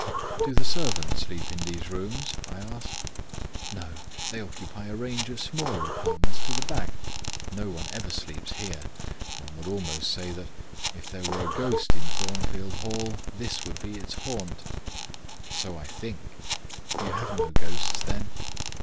"Do the servants sleep in these rooms?" I asked. "No; they occupy a range of smaller apartments to the back; no one ever sleeps here: one would almost say that, if there were a ghost at Thornfield Hall, this would be its haunt." "So I think: you have no ghost, then?"